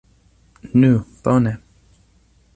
Nu bone!